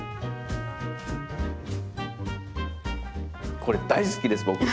これ大好きです僕。